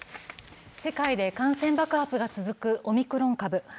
世界で感染爆発が続くオミクロン株。